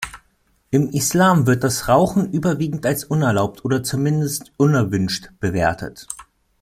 Im Islam wird das Rauchen überwiegend als unerlaubt oder zumindest unerwünscht bewertet.